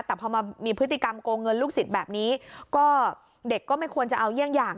แต่พอมามีพฤติกรรมโกงเงินลูกศิษย์แบบนี้ก็เด็กก็ไม่ควรจะเอาเยี่ยงอย่าง